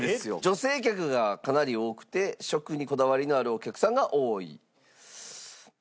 女性客がかなり多くて食にこだわりのあるお客さんが多い。